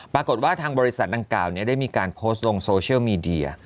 ปรากฏว่าทางบริษัทดังกล่าวได้มีการโพสต์ลงโซเชียลมีเดีย